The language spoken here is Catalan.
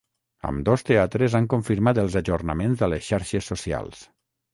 Ambdós teatres han confirmat els ajornaments a les xarxes socials.